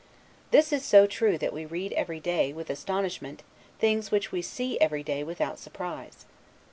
This is so true that we read every day, with astonishment, things which we see every day without surprise.